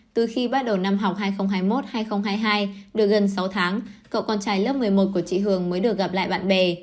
từ khi bắt đầu năm học hai nghìn hai mươi một hai nghìn hai mươi hai được gần sáu tháng cậu con trai lớp một mươi một của chị hường mới được gặp lại bạn bè